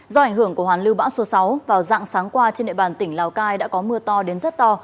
do ảnh hưởng của hoàn lưu bão số sáu vào dạng sáng qua trên địa bàn tỉnh lào cai đã có mưa to đến rất to